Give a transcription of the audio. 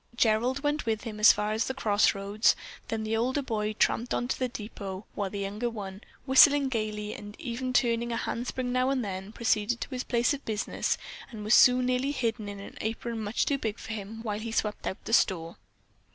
Gerald went with him as far as the cross roads, then the older boy tramped on to the depot while the younger one, whistling gaily and even turning a handspring now and then, proceeded to his place of business, and was soon nearly hidden in an apron much too big for him, while he swept out the store.